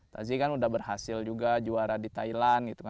tazi sudah berhasil juga juara di thailand